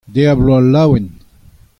Deiz-ha-bloaz laouen !